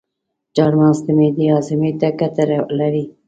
چارمغز د معدې هاضمي ته ګټه لري.